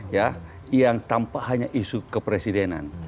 yang tanpa hanya isu kepresidenan